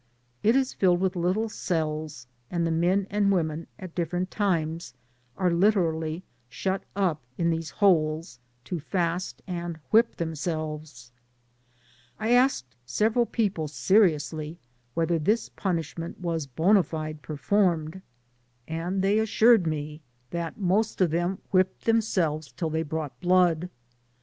It is filled with little cells> and the men and women, at differ^ ait times, are literally shut up in these hoLeB, to fast and whip themselves* I seriously asked several people whedier this punishment was bond fide performed, and they assured me that most of them whipped themselves till they brought blood.